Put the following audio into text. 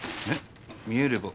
見えれば？